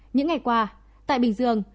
những ngày qua tại bình dương